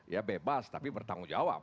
ya bebas tapi bertanggung jawab